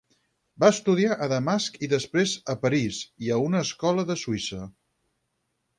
Va estudiar a Damasc i després a París i a una escola de Suïssa.